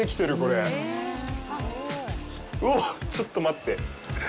うおっ、ちょっと待って。